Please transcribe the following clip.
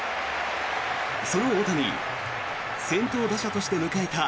その大谷、先頭打者として迎えた